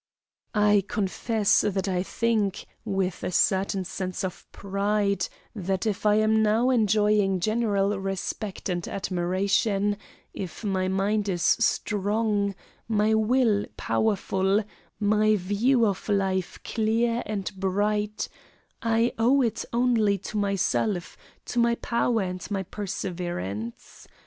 I confess that I think, with a certain sense of pride, that if I am now enjoying general respect and admiration, if my mind is strong, my will powerful, my view of life clear and bright, I owe it only to myself, to my power and my perseverance.